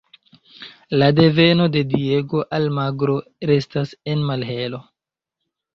La deveno de Diego Almagro restas en malhelo.